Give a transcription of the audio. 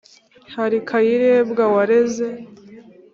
Hari Kayirebwa wareze